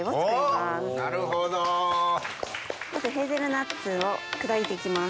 まずヘーゼルナッツを砕いて行きます。